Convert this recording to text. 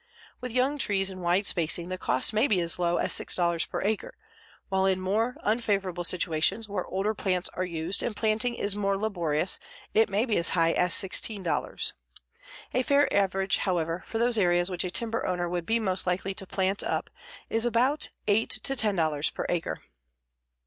With young trees and wide spacing, the cost may be as low as $6.00 per acre, while in more unfavorable situations where older plants are used and planting is more laborious it may be as high as $16.00. A fair average, however, for those areas which a timber owner would be most likely to plant up is about $8.00 to $10.00 per acre.